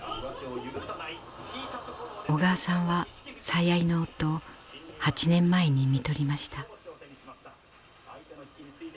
小川さんは最愛の夫を８年前に看取りました。